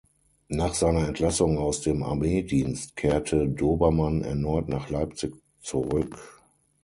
Nach seiner Entlassung aus dem Armeedienst kehrte Dobermann erneut nach Leipzig zurück.